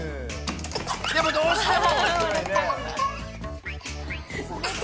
でもどうしても。